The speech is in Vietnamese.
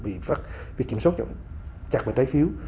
bị kiểm soát chặt về trái phiếu